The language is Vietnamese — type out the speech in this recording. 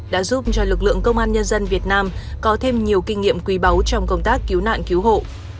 đã giúp cho lực lượng công an nhân dân việt nam có thêm nhiều kinh nghiệm quý báu trong công tác cứu nạn cứu hộ